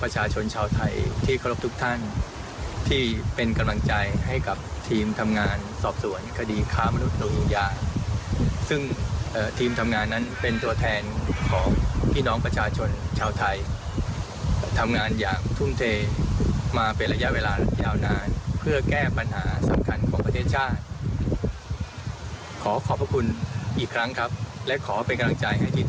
แหละขอเป็นกำลังใจให้ทีมทำงานต่อไปให้สำเร็จ